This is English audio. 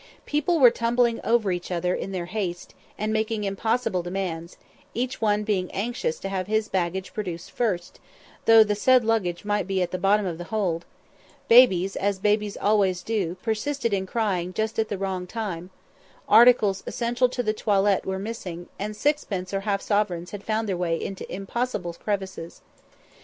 People were tumbling over each other in their haste, and making impossible demands, each one being anxious to have his luggage produced first, though the said luggage might be at the bottom of the hold; babies, as babies always do, persisted in crying just at the wrong time; articles essential to the toilet were missing, and sixpences or half sovereigns had found their way into impossible crevices.